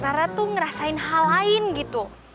nara tuh ngerasain hal lain gitu